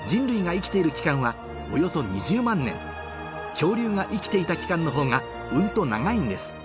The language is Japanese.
恐竜が生きていた期間の方がうんと長いんです